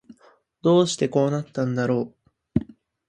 どうしてこうなったんだろう